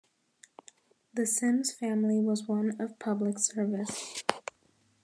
The Simms family was one of public service.